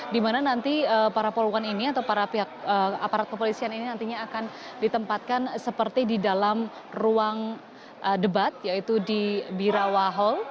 di mana nanti para poluan ini atau para pihak aparat kepolisian ini nantinya akan ditempatkan seperti di dalam ruang debat yaitu di birawa hall